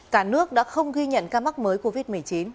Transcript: cả nước đã không ghi nhận ca mắc mới covid một mươi chín